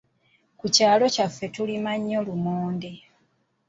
Ku kyalo kyaffe tulima nnyo lumonde.